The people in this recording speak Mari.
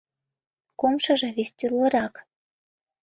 Кумшыжо – вестӱрлырак.